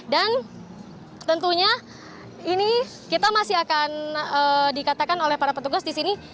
dan tentunya ini kita masih akan dikatakan oleh para petugas di sini